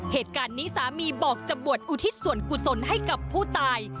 เหตุการณ์นี้สามีบอกจะบวชอุทิศส่วนกุศลให้กับผู้ตาย